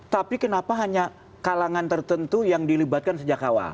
tapi kenapa hanya kalangan tertentu yang dilibatkan sejak awal